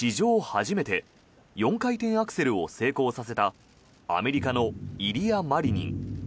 初めて４回転アクセルを成功させたアメリカのイリア・マリニン。